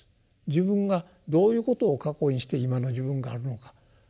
自分がどういうことを過去にして今の自分があるのか。